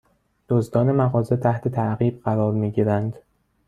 دزدان مغازه تحت تعقیب قرار می گیرند